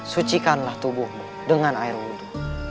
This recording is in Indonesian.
sucikanlah tubuhmu dengan air wudhu